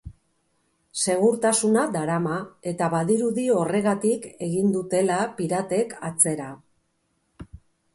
Segurtasuna darama, eta badirudi horregatik egin dutela piratek atzera.